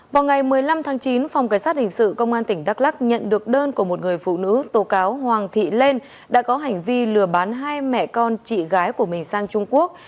vào ngày một mươi năm tháng chín phòng cảnh sát hình sự công an tỉnh đắk lắc nhận được đơn của một người phụ nữ tố cáo hoàng thị lên đã có hành vi lừa bán hai mẹ con chị gái của mình sang trung quốc